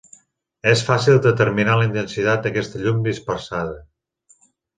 És fàcil determinar la intensitat d'aquesta llum dispersada.